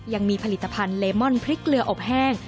ยังมีผลิตภัณฑ์เลมอนพริกเกลืออบแห้ง